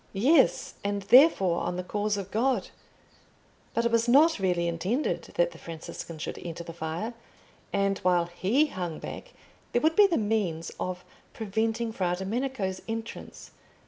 Yes, and therefore on the cause of God. But it was not really intended that the Franciscan should enter the fire, and while he hung back there would be the means of preventing Fra Domenico's entrance.